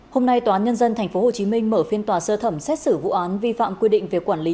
hôm nay toán nhân dân thành phố hồ chí minh mở phiên tòa sơ thẩm xét xử vụ án vi phạm quy định